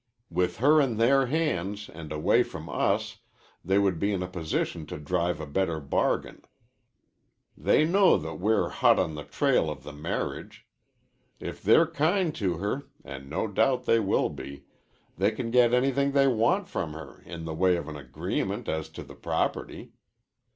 With her in their hands and away from us, they would be in a position to drive a better bargain. They know that we're hot on the trail of the marriage. If they're kind to her and no doubt they will be they can get anything they want from her in the way of an agreement as to the property.